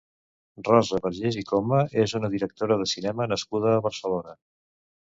Rosa Vergés i Coma és una directora de cinema nascuda a Barcelona.